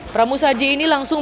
pramu saji ini langsung